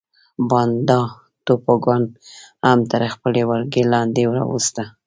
بانډا ټاپوګان هم تر خپلې ولکې لاندې راوسته.